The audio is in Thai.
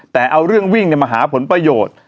แต่เอาเรื่องวิ่งมาหาผลประโยชน์